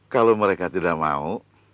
kalau mereka tidak mau